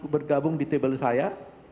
bergabung di table saya